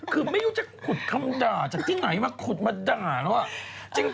คือไม่รู้จะขุดคำด่าจากที่ไหนมาขุดมาด่าแล้ว